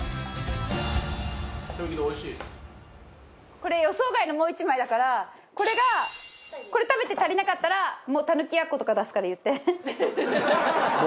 これ予想外のもう１枚だからこれがこれ食べて足りなかったらもうたぬきやっことか出すから言って。